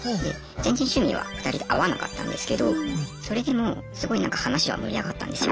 全然趣味は２人で合わなかったんですけどそれでもすごいなんか話は盛り上がったんですよ。